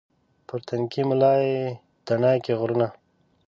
پر تنکۍ ملا یې تڼاکې غرونه